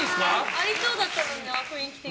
ありそうだったのにな雰囲気的に。